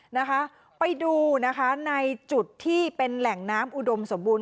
นะคะไปดูนะคะในจุดที่เป็นแหล่งน้ำอุดมสมบูรณ